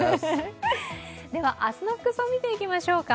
では明日の服装、見ていきましょうか。